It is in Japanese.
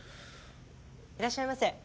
いらっしゃいませ。